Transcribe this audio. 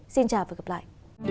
xin chào và hẹn gặp lại